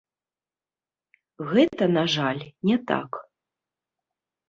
Гэта, на жаль, не так.